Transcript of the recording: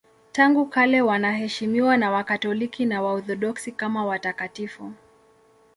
Tangu kale wanaheshimiwa na Wakatoliki na Waorthodoksi kama watakatifu.